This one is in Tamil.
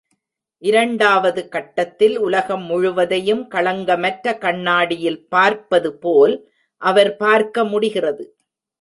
இரண்டாவது கட்டத்தில் உலகம் முழுவதையும் களங்கமற்ற கண்ணாடியில் பார்ப்பதுபோல் அவர் பார்க்க முடிகிறது.